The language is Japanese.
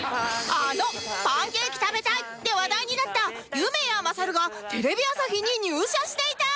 あの「パンケーキ食べたい」で話題になった夢屋まさるがテレビ朝日に入社していた